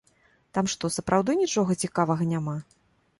Там што, сапраўды нічога цікавага няма?